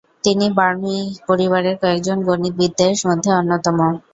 তিনি বার্নুয়ি পরিবারের কয়েকজন গণিতবিদদের মধ্যে অন্যতম।